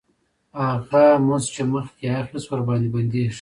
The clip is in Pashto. هغه مزد چې مخکې یې اخیست ورباندې بندېږي